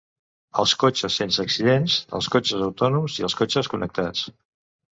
Els cotxes sense accidents, els cotxes autònoms i els cotxes connectats.